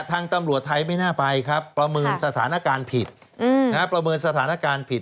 ทางตำรวจไทยไม่น่าไปครับประเมินสถานการณ์ผิดนะครับ